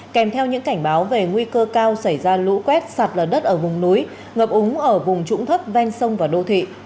kèm theo những cảnh báo về nguy cơ cao xảy ra lũ quét sạt lở đất ở vùng núi ngập úng ở vùng trũng thấp ven sông và đô thị